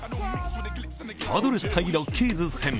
パドレス×ロッキーズ戦。